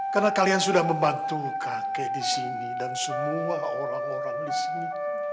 karena kalian sudah membantu kakek di sini dan semua orang orang di sini